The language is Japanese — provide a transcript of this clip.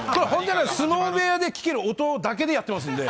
相撲部屋で聞ける音だけでやってますんで。